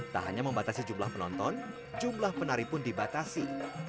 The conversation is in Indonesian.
tak hanya membatasi jumlah penonton jumlah penari pun dibatasi